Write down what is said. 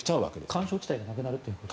緩衝地帯がなくなる。